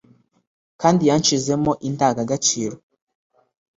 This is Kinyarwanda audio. kandi yanshizemo indangagaciro